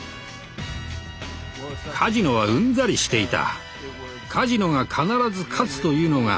カジノはうんざりしていた。